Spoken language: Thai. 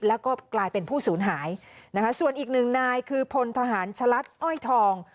แล้วก็กลายเป็นผู้สูญหายนะคะส่วนอีกหนึ่งนายคือพลทหารฉลัดอ้อยทอง